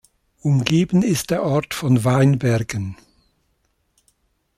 Umgeben ist der Ort von Weinbergen.